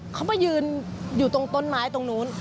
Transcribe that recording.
เขามายืนอยู่ตรงต้นไม้ตรงนู้น